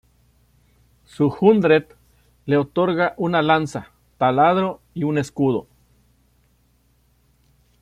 Su hundred le otorga una lanza- taladro y un escudo.